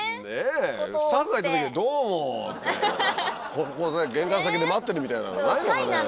スタッフが行った時は「どうも」って。玄関先で待ってるみたいなのはないのかね。